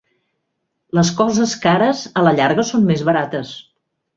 Les coses cares a la llarga són més barates.